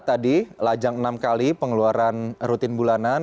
tadi lajang enam kali pengeluaran rutin bulanan